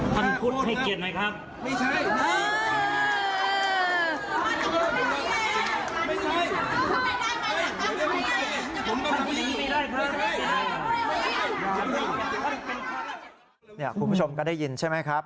คุณผู้ชมก็ได้ยินใช่ไหมครับ